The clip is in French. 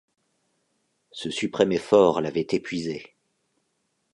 Ce suprême effort l’avait épuisé.